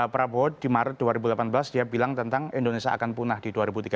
prabowo di maret dua ribu delapan belas dia bilang tentang indonesia akan punah di dua ribu tiga puluh